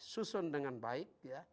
susun dengan baik